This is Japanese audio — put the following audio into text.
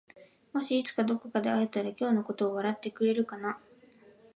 もしいつかどこかで会えたら今日のことを笑ってくれるかな？